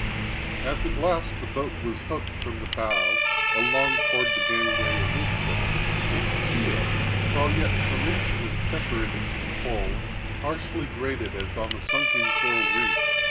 As, at last, the boat was hooked from the bow along toward the gangway amidship, its keel, while yet some inches separated from the hull, harshly grated as on a sunken coral reef.